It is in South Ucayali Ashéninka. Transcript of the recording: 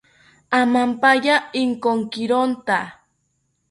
Amampaya Inkokironta